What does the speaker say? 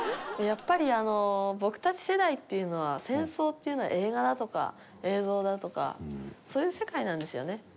やっぱり僕たち世代っていうのは戦争っていうのは映画だとか映像だとかそういう世界なんですよね。